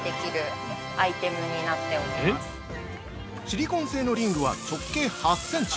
シリコン製のリングは直径８センチ。